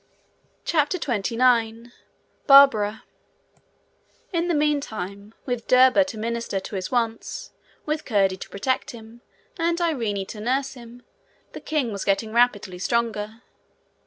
CHAPTER 29 Barbara In the meantime, with Derba to minister to his wants, with Curdie to protect him, and Irene to nurse him, the king was getting rapidly stronger.